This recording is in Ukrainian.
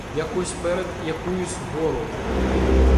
Як ось перед якуюсь гору